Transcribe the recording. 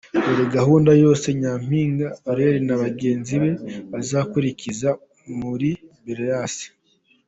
Dore gahunda yose Nyampinga Aurore na bagenzi be bazakurikiza muri Belarus:.